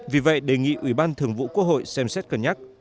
vì vậy đề nghị ủy ban thường vụ quốc hội xem xét cân nhắc